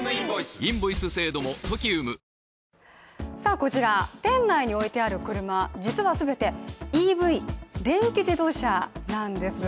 こちら、店内に置いてある車、実は全て、ＥＶ＝電気自動車なんです。